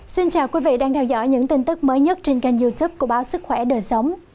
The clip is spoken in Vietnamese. xin chào quý vị đang theo dõi những tin tức mới nhất trên kênh youtube của báo sức khỏe đời sống